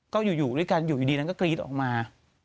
ก็อยู่ด้วยกันอยู่ดีนั้นก็กรี๊ดออกมา